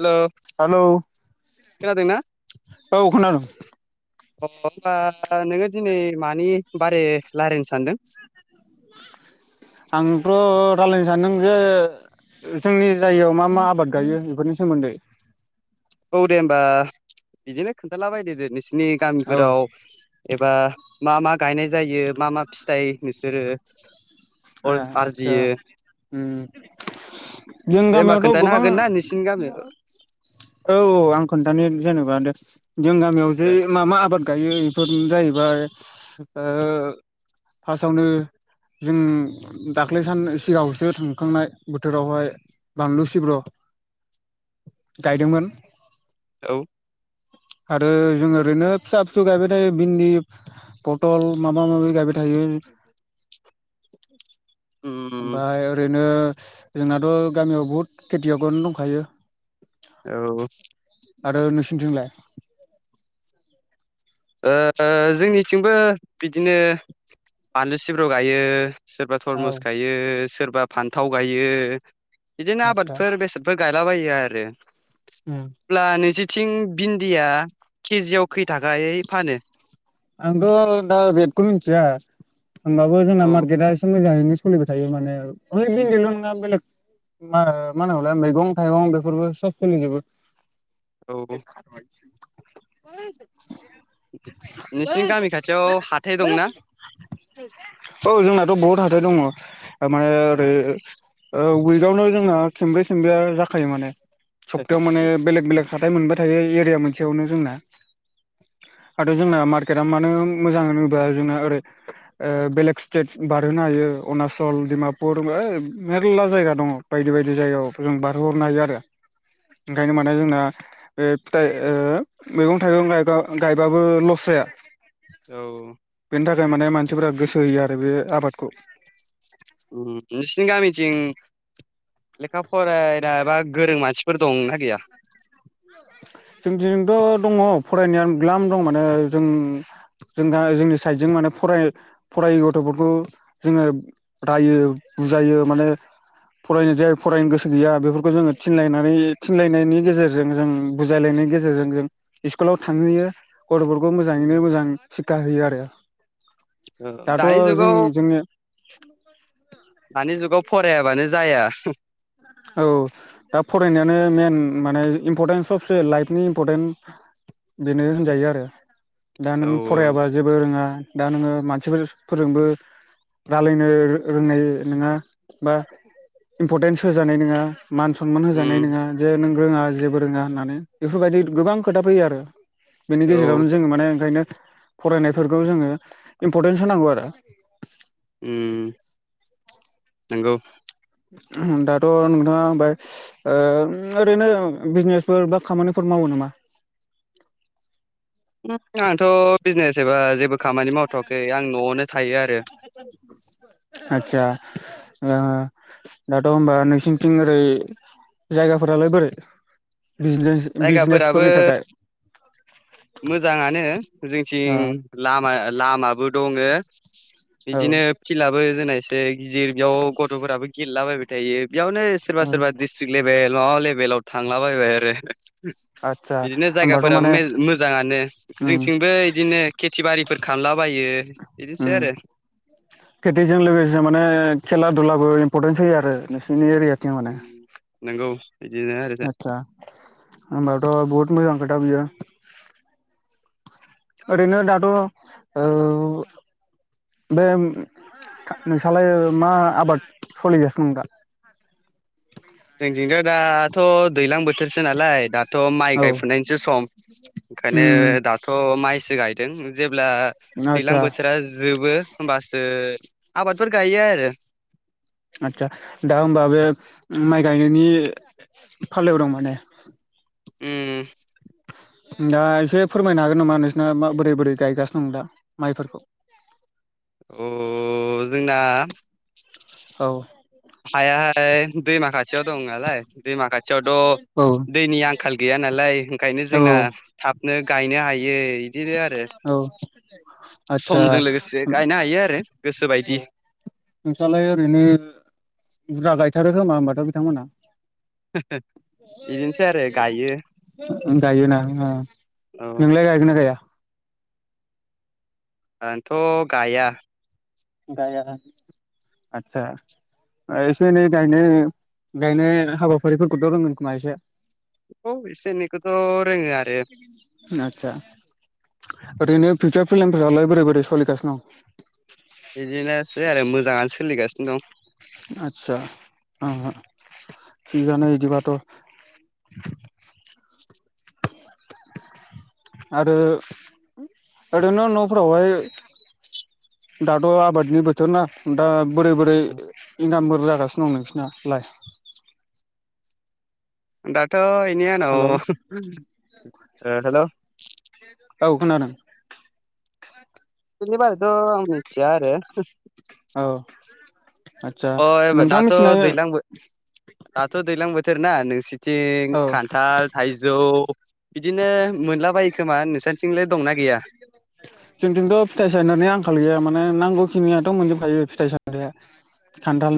Hello hello खोनादोंना? औ खोनादों अ होनबा नोङो दिनै मानि बारै रायज्लायनो सानदों? आंथ' रायलायनो सानदों जे जोंनि बे जायगायाव मा मा आबाद गायो बेफोरनि सोमोन्दै औ दे होमबा बिदिनो खोन्थालाबायदोदो नोंसिनि औ गामिफोराव एबा मा मा गायनाय जायो मा मा फिथाइ नोंसोरो ए आतसाा आरजियो उम जों दे होमबा गामियावथ' खोन्थानो गोबां हागोन ना नोंसिनि गामियाव औ औ आं खोन्थानो जेनेबा दे जों गामियाव जे मा मा आबाद गायो। फोरनो जाहैबाय ओ फार्स्टआवनो जों दाख्लै सान सिगाङावसो थांखांनाय बोथोरावहाय बानलु सिब्र' गायदोंमोन। औ आरो जों ओरैनो फिसा फिसौ गायबाय थायो भन्दि पटल माबा माबि गायबाय थायो। [inaudible] उम ओमफ्राय ओरैनो जोंनाथ' गामियाव बहुद खेथियावगनो दंखायो। औ आरो नोंसोरनिथिंलाय? जोंनिथिंबो बिदिनो बानलु सिब्राव गायो। सोरबा औ थरमुस गायो सोरबा फान्थाव गायो। बिदिनो आतसा आबादफोर बेसादफोर गायलाबायो आरो उम अब्ला नैजि थिं भिन्दिया केजिआव खै थाखायै फानो? आंथ' दा रेटखौ मिथिया होमबाबो जोंना औ मार्केटआ एसे मोजाङैनो। सोलिबाय थायो माने बिन्दल' नङा बेलेग मा मान होल मैगं थाइगं बेफोरबो सबसोलि जोबो। औ [unintelligible] निस औ जोंनाथ' बहुत हाथाय दङ' दङ माने ओ ओरै उइकावनो जोंना खेनब्रै खेबेया जाखायो माने सब्तायाव माने बेलेग बेलेग हाथायाइ मोनबाय। थायो एरिया मोनसेयावनो जोंना आरो जोंना मार केरामानो मोजां होनोब्ला जोंना ओरै बेलेग स्टेट बारहोनो हायो अरुणाचल डिमापुर मेरला जायगा दङ बायदि बायदि जायगायाव जों बारहोहरनो हायो आरो ओंखायनो माने जोंना बे फिथाइ मैगं थाइगंब गायबाबो लस जाया। औ बेनि थाखाय माने मानसिफोरा्रा गोसो होयो आरो बे आबादखौ। जिं लेखा फरायनाय बा गोरों मानसिफोर दंनाा गैया? जों दिनजोंथ' दङ फरायनाय गलाम दं माने जों जों दा जोंनि साइडजों माने फराय फरायै गथ'फोरखौ जोङो रायो। बुजायो माने फरायनो जाय फरायनो गोसो गैया बेफोरखौ जोङो थिनलायनानै थिनलायनायनि गेजेरजों जों बुजायलायनायनि गेजेरजों जों स्कुलाव थांहैयो गथ'फोरखौ ओ मोजाङैनो मोजां सिक्षा होयो आरो दाथ' दानि जों जुगाव जोंनि दानि जुगाव फरायाबानो जाया औ दा फरायनायानो मइेन माने इम्परटेन्स सबसो लाइफनि इम्परटेन्ट बेनो होनजायो आरो दा नों औ फरायाबा जेबो रोङा दा नोङो मानसिफोर फोरजोंबो रायलायनो रोंनाय नङा बा इमपर्टेन्स होजानाय नोंङा मान सनमान होजानाय उम नङा जे नों रोङा जेबो रोङा होननानै बेफोरबायदि गोबां खोथा फैयो आरो बेनि औ गेजेरावनो जोङो माने ओंखायनो फरायनायफोरखौ जोङो इम्पर्टेन्स होनांगौ आरो उम नोंगौ दाथ नोंथाङा होनबाय ओ ओरैनो बिजनेसफोर बा खामानिफोर मावो नामा आंथ बिजनेस एबा जेबो खामानि मावथ'वाखै आं न'आवनो थायो आरो आतसा ओ दाथ होनबा नोंसिनिथिं ओरै जायगाफोरालाय बोरै बिजने जायगाफोराबो बिजनेसफोरनि थाखाय मोजाङानो ओ जोंथिं लामा लामाबो दङो औ बिदिनो फिल्डआबो जोंना एसे गिदिर बेयाव गथफोराबो गेलेलाबायबाय थायो बेयावनो सोरबा औ सोरबा दिडस्ट्रिक लेभेल माबा लेभेलाव थांला बायबाय आरो आदसा बिदिनो होमबाथ' जायगाफोराबो माने मेल मोज मोजाङानो उम जोंथिंबो इदिनो खेथि बाथि बारिफोर खालामलाबायो इदिनोसै आरो खेटिजों लोगोसे माने खेला दुबो इम्परटेन्स होयो आरो नोंसिरनि एरिया नोंगौ आतसा होनोमबाथ बहुत मोजां खोथा बियो ओरैनो दाथ ओ बे नोंसालाय मा आबाद सोलिगासिनो दं दां जोंथिंथ दाथ दैलां बोथोरसो नालाय दा थ माइ औ गायफुनायनिसो सम ओंखायनो उम दाथ‌ माइसो गायदों जेबो जेब्ला आदसा दैज्लां बोथोरा जोबो होमबासो आबादफोर गायो आरो आचसा दा होमबा बे माइ गायनायनि फालायाव दों माने ओम दा एसे फोरमायनो हागोन नामा नोंसिरना बोरै बोरै गायगासिनो दं दा माइफोरखौ अ जोंना औ हाया लाय दैमा खाथियाव दं नालाय दैमा औ खाथियावथ दैनि आंखाल गैया नालाय ओंखायनो औ जोंना थाबनो गायनो हायो इदिनो आरो औ आतसा समजों लोगोसे गायनो हायो आरो औ गोसोबायदि नोंस्रालाय ओरैनो बुरजा गायथारो खोमा होमबाथ बिथांमोना बिदिनोसै आरो गायो गायोना ओं औ नोलाय गायगोना गाया आंंथ गाया गाया आतसा एसे एनै गायनो गायनाय हाबाफारिफोरखौथ रोंगोन खोमा एसे औ एसे एनैखौथ' रोङो आरो आतसा ओरैनो फिउचार पेलेनफोरालाय बोरै बोरै सोलिगासिनो दं बिदिनोसै आरो मोजाङानो सोलिगासिनो दं आतसा ओ थिगानो बिदिबाथ आरो ओरैनो नफोरावहाय दाथ आबादनि बोथोर ना दा बोरै बोरै दं इनकाम फोर जागासिनो दं नोंसिनालाय दाथ इनि‌ हेलौ आनाव हेलौ औ खनादों बेनि बारिथ आं मोन्थिया आरो औ आदसा अ नोंथां दाथ' मिथिनाय दैज्लां दाथ' दै्लां बोथो नोंसोर औ दखान्थाल थाइजौ। ओ जोंथिं थ' फिथाइ सायनानै आंखाल गैया म नांगौ खनिथ' मोनजोबायो फिथ साम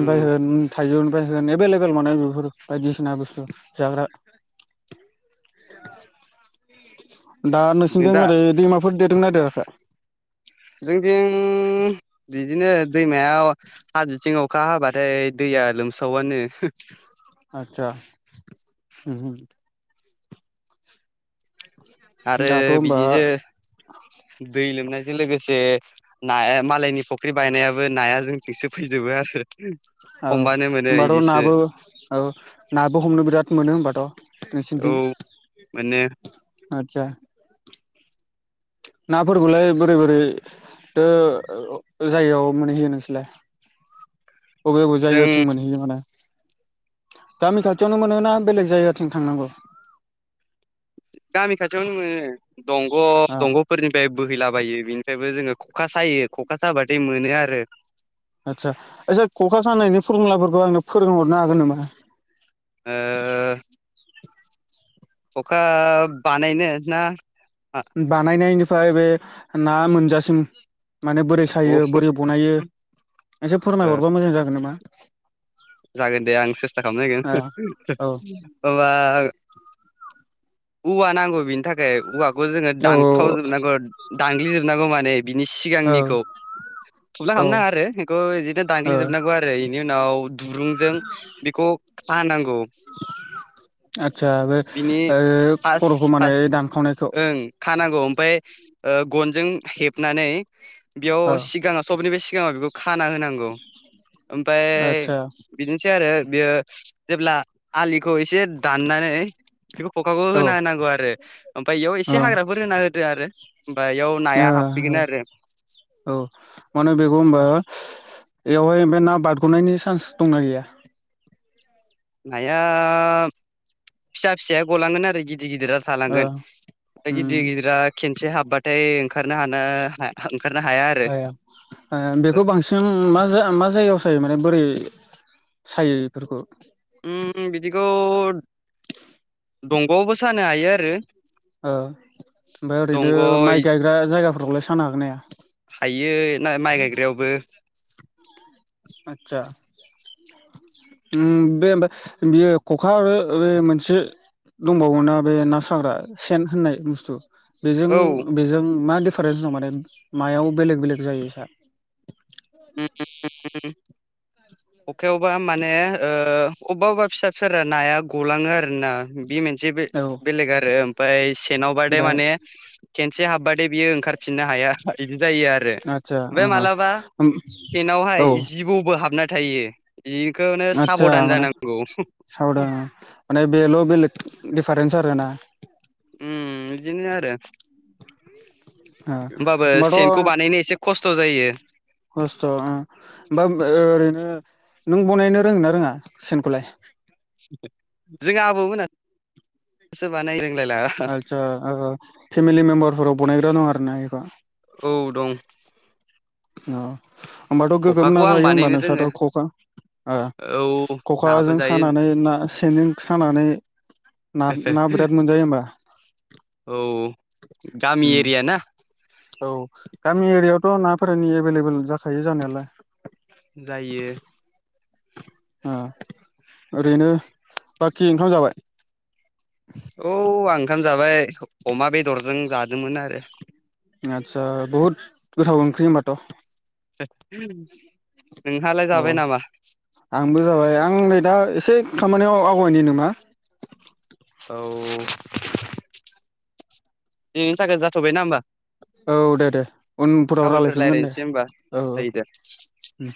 उम बैय एभेलेबेल मोन बेफोर बायदिसिना बुस्थु जाग्रा [unintelligible] दा नोंसिनिजों दा ओरै दैमाफोर देरदों ना देराखै जोंथिं बिदिनो दैमायाव। आतसा उ उ आरो दाथ' होमबा बिदि जो दै लोमनाय बेजों लोगोसे नाया मालायनि फुख्रि बायनायाबो नाया जोंनिथिंसो फैजोबो आरो औ हमबानो मोनो होनोमबाथ' इदिसो नाबो औ नाबो हमनो बिराद मोनो हबाथ' औ माने आतस नाफोरखौलाय बोरै बोरै ' जायगायाव मोनहैहैयो नोंसोरलाय बबे बबे जायो आ जों थं मोनहैयो माने गामि खाथियावनो मोनोना बेलेग जायगाथिं थांनांगौ गामि खाथियावनो मोनो दंग' दंग'फोरनिफ्राय बोहैलाबायो बेनिफ्रायबो जोङो खखा सायो खखा साबाथाय मोनो आरो आदसा आदसा ख'खा सानायनि फरमुलाफोरखौ आंनो फोरोंहरनो हागोन नामा? [unintelligible] ख'खा बानायनो ना बानायनायनिफ्राय बे ना मोनजासिम माने बोरै ओ सायो बोरै बनायो एसे फोरमायहरबा मोजां जागोन नामा? जागोन दे आं सेस्था खालाम नागोन औ औ हबा औवा नांगौ बिनि थाखाय औवाखौ जोङो दानखावजोबनांगौ। दांगग्लिजोबनांगौ माने बिनि औ सिगांनिखौ थुला औ खालामनो नाङा आरो बेखौ बिदिनो औ दांगग्लिजोबनांगौ आरो बेनि उनाव दुरुंजों बेखौ खानांगौ। आदसा बे बिनि ओ फास खर'खौ माने फास दानखावनायखौ ओ खानांगौ। गनजों हेबनानै बेयाव औ सिगाङाव सबनि बे सिगाङाव बेखौ खाना होनांगौ ओमफ्राय आदसा बिदिनोसै आरो बेयो जेब्ला आलिखौ एसे दाननानै बेखौ खखाखौ औ होनाांगौ आरो ओमफ्राय बेयाव एसे औ हाग्राफोर होना होदो आरो ओमफ्राय बेयाव नाया हाबफैगोन आरो औ मान बेगोमबा बेवहाय ओफ्राय ना बारग'नायनि चान्स दंना गैया। नाया फिसा फिसाया गलांगोन आरो गिदिर गिदिर गिदिरा ओ थालांगोन उम गिदिर गिदिरा खे एसे हाबबाथाय ओंखारनो हानो ओंखारनो हाया आरो ओ बेखौ बांसिन मा जायगायाव सायो माने बोरै सायो बेफोरखौ उम बिदिखौ दंग'आवबो सानो हायो आरो ओमफ्राय ओरैनो दंग' माइ गायग्रा जायगाफोरखौलाय साननो हागोन नाहाया। हायो ना माइ गायग्रायावबो। आतसा ओ बे ओमफ्राय बियो खखा बे मोनसे दंबावो बे ना साग्रा सेन होननाय बुस्थु बेजों औ बेजों मा दिडिफारेन्स दं माने मायाव बेलेग बेलेग जायो सार [unintelligible] अखा आव बा माने ओ अबेबा अबेबा फिसाफोरा नाया गलाङो आरो ना बे मोन जबो औ बेलेग आरो ओमफाय सेेनावबादे ओमफ्राय माने खेनसे हाबबाथाय बियो ओंखारफिननो हाया बिदि जायो आरो आदसा ओमफ्राय मालाबा ओ ओ स्टेनावहाय औ जिबौबो हाबना थायो। खौनो साबधान जानांगौ। सावद माने बेल' बेलेग दिडिफारेन्स आरोना। उ बिदिनो आरो ओ ओमबाबो सेनखौ बानायनो एसे खस्थ' जायो। खस्थ'आ ओमबाबो ओरैनो नों बनायनो रोङो ना रोङा सेनखौलाय? जोंनि आबौ मोना सो बानायो। आलचसा आंहा फेमिलि मेम्बारफोराव बानायग्रा दं आरो ना एबा? औ दं। अ ओमबाथ' गोगोम ना खखाखौ आं जायो होमबा बानायनो रोङो नोंस्राथ' खखा आ औ नाबो खखाजों जायो सानानै ना सेन सानानै ना ना बिराद मोनजायो ओमबा। औ गामि एरिया ना? औ गामि एरियायावथ' नाफोरनि एभेलेबेल जाखायो जानायालाय। जायो। आ ओरैनो बाखि ओंखाम जाबाय? औ आं ओंखाम जाबाय अमा बेदरजों जादोंमोन आरो आतसा बहुत गोथाव ओंख्रि होमबाथ'। [inaudible] नोंहालाय औ जाबाय नामा आंबो जाबाय आं नै दा एसे खामानियाव आवगायनाय नामा? औ दिनैथाखाय जाथ'बायनाा ओमबा। औ दे दे उनफोराव गाबोनफोर रायलायफिनगोन दे रायज्लायनोसै होमबा औ औ। जायो दे उम